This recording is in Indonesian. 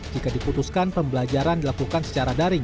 jika diputuskan pembelajaran dilakukan secara daring